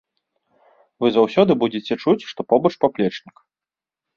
Вы заўсёды будзеце чуць, што побач паплечнік.